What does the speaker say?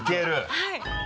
はい。